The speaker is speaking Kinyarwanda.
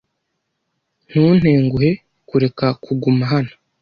Ntuntenguhe kureka kuguma hano.